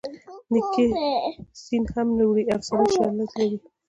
نیکي سین هم نه وړي افسانوي شالید لري